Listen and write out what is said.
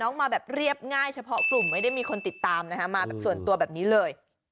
น้องมาเรียบง่ายเฉพาะกลุ่มได้มีคนติดตามมาส่วนตัวแบบนี้เลย